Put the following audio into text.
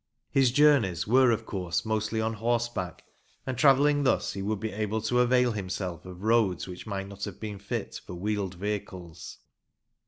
His journeys were, of course, mostly on horseback, and, travelling thus, he would be able to avail himself of roads which might not have been fit for wheeled vehicles.